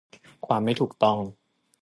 ความไม่ถูกต้อง